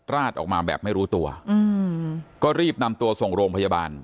ราดออกมาแบบไม่รู้ตัวอืมก็รีบนำตัวส่งโรงพยาบาล